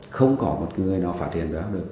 không có một người nào phát hiện ra được